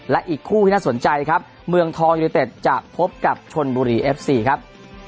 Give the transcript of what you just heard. และอีกคู่ที่น่าสนใจครับเมืองทองยูนิเต็ดจะพบกับชนบุรีเอฟซีครับ